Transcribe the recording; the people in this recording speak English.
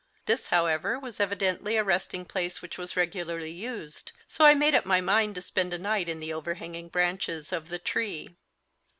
This, however, was evidently a resting place which was regularly used, so I made up my mind to spend a night in the overhanging branches of the tree.